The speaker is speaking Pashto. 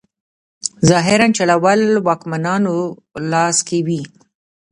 ظاهراً چلول واکمنانو لاس کې وي.